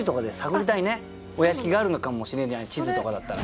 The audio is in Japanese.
お屋敷があるのかもしれない地図とかだったら。